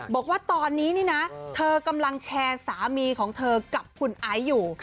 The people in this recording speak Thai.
บอกว่าตอนนี้นี่นะเธอกำลังแชร์สามีของเธอกับคุณไอซ์อยู่